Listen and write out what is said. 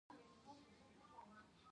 په سړه هوا کې به انسان ځان توداوه.